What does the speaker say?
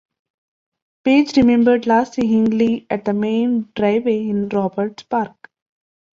Page remembered last seeing Lee at the main driveway in Roberts Park.